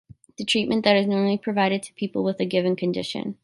The treatment that is normally provided to people with a given condition.